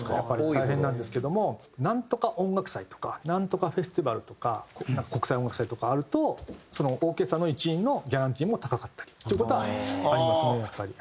大変なんですけどもナントカ音楽祭とかナントカフェスティバルとか国際音楽祭とかあるとそのオーケストラの一員のギャランティーも高かったりっていう事はありますねやっぱり。